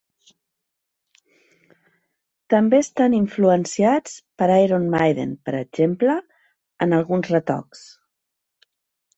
També estan influenciats per Iron Maiden; per exemple, en alguns retocs.